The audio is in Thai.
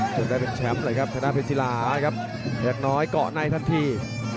จนได้เป็นแชมป์เลยครับชนะเพชรศิลาครับอย่างน้อยเกาะในทันที